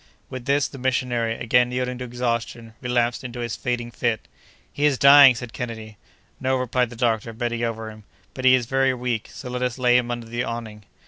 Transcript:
With this, the missionary, again yielding to exhaustion, relapsed into his fainting fit. "He is dying!" said Kennedy. "No," replied the doctor, bending over him, "but he is very weak; so let us lay him under the awning."